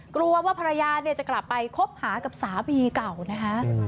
กลัวว่าภรรยาเนี่ยจะกลับไปคบหากับสามีเก่านะคะ